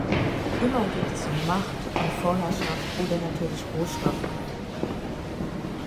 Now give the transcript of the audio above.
Immer geht es um Macht und Vorherschaft oder natürlich Rohstoffe.